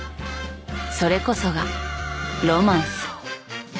［それこそがロマンス］